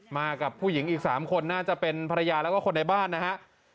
มากับผู้หญิงอีก๓คนน่าจะเป็นภรรยาแล้วก็คนในบ้านนะฮะ